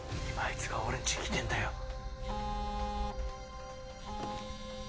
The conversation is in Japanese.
今あいつが俺んち来てんだよ